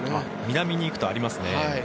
南に行くとありますね。